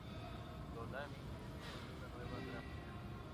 Toonami tiene una nueva gráfica.